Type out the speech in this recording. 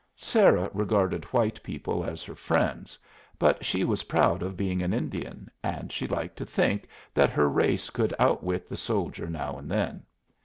Sarah regarded white people as her friends, but she was proud of being an Indian, and she liked to think that her race could outwit the soldier now and then.